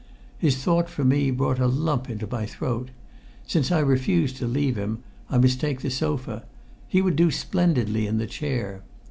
His thought for me brought a lump into my throat. Since I refused to leave him, I must take the sofa; he would do splendidly in the chair.